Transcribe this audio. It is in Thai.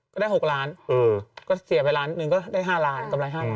ก็ได้๖ล้านก็เสียไปล้านหนึ่งก็ได้๕ล้านกำไร๕๐๐